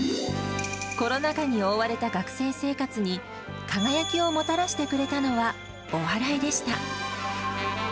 コロナ禍に覆われた学生生活に、輝きをもたらしてくれたのはお笑いでした。